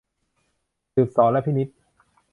สืบเสาะและพินิจ